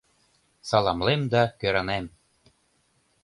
Саламлем да кӧранем!